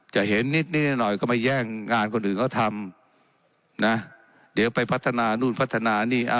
จะเห็นนิดหน่อยก็มาแย่งงานคนอื่นเขาทำนะเดี๋ยวไปพัฒนานู่นพัฒนานี่